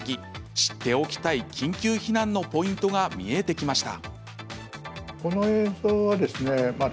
知っておきたい緊急避難のポイントが見えてきました。